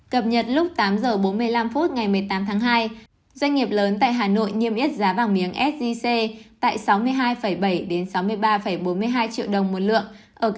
cập nhật lúc tám h bốn mươi năm phút ngày một mươi tám tháng hai doanh nghiệp lớn tại hà nội niêm yết giá vàng miếng sgc tại sáu mươi hai bảy sáu mươi ba bốn mươi hai triệu đồng một lượng